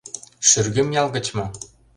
Шӱргем ял гыч мо?